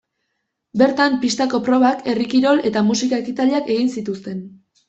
Bertan pistako probak, herri kirol eta musika ekitaldiak egin zituzten.